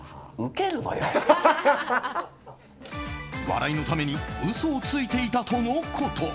笑いのために嘘をついていたとのこと。